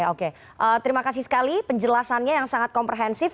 oke terima kasih sekali penjelasannya yang sangat komprehensif